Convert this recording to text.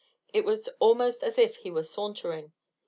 It was almost as if he were sauntering.